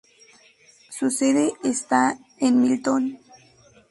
Su sede está en Milton.